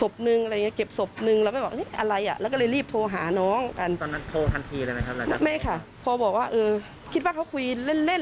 พอบอกว่าเอ๊ะคิดว่าเค้าคุยเล่น